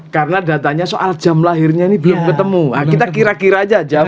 karena datanya soal jam lahirnya ini belum ketemu kita kira kira aja